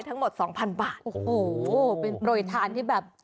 ทั้งหมด๒๐๐๐บาท